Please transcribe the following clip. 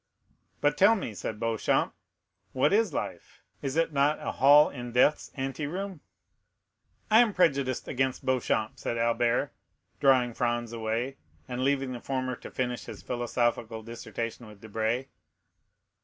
"But tell me," said Beauchamp, "what is life? Is it not a halt in Death's anteroom?" 40026m "I am prejudiced against Beauchamp," said Albert, drawing Franz away, and leaving the former to finish his philosophical dissertation with Debray.